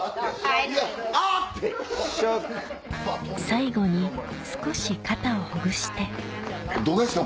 最後に少し肩をほぐしてどうでした？